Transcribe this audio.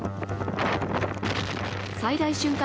最大瞬間